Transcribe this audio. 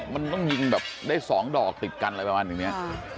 มันต้องยิงแบบได้๒ดอกติดกันอะไรประมาณอย่างนี้